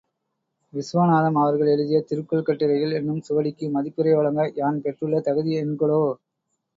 விசுவநாதம் அவர்கள் எழுதிய திருக்குறள் கட்டுரைகள் என்னும் சுவடிக்கு மதிப்புரை வழங்க யான் பெற்றுள்ள தகுதி என்கொலோ?